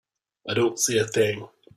I don't see a thing.